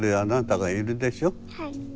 はい。